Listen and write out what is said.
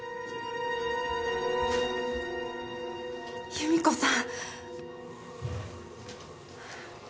由美子さん！